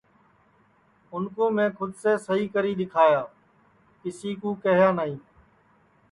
اُن کُو میں کھود سے سہی کری دؔیکھائیاں کیسی کیہیا نائی